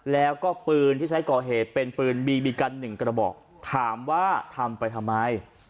แล้วก็ปืนที่ใช้ก่อเหตุเป็นปืนบีบีกันหนึ่งกระบอกถามว่าทำไปทำไม